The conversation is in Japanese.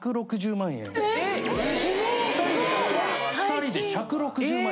・２人で１６０万。